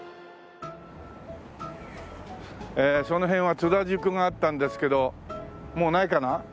その辺は津田塾があったんですけどもうないかな？